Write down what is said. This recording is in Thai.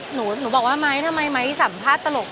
หนูบอกว่าไม้ทำไมไม้สัมภาษณ์ตลก